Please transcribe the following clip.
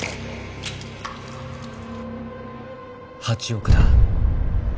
８億だ。